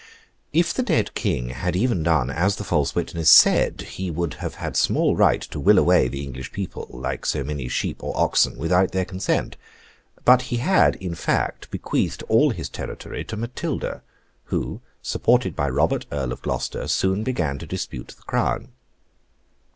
If the dead King had even done as the false witness said, he would have had small right to will away the English people, like so many sheep or oxen, without their consent. But he had, in fact, bequeathed all his territory to Matilda; who, supported by Robert, Earl of Gloucester, soon began to dispute the crown.